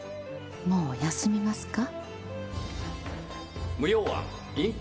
もう休みますか？